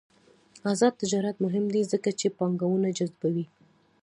آزاد تجارت مهم دی ځکه چې پانګونه جذبوي.